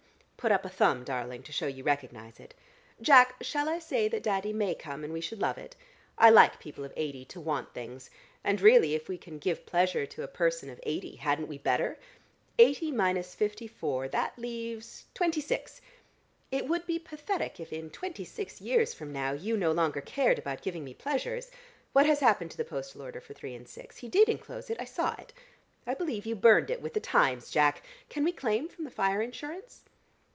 Put up a thumb, darling, to show you recognise it. Jack, shall I say that Daddy may come, and we should love it? I like people of eighty to want things. And really if we can give pleasure to a person of eighty hadn't we better? Eighty minus fifty four: that leaves twenty six. It would be pathetic if in twenty six years from now you no longer cared about giving me pleasures. What has happened to the postal order for three and six? He did enclose it, I saw it. I believe you've burned it with the Times, Jack. Can we claim from the fire insurance?"